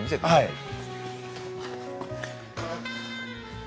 はい。